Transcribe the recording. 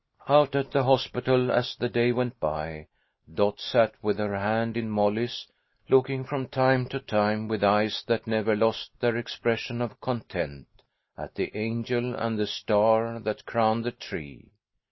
Out at the hospital, as the day went by, Dot sat with her hand in Molly's, looking from time to time with eyes that never lost their expression of content, at the angel and the star that crowned the tree.